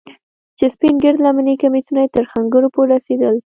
چې سپين گرد لمني کميسونه يې تر ښنگرو پورې رسېدل.